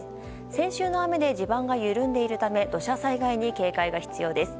先週の雨で地盤が緩んでいるため土砂災害に警戒が必要です。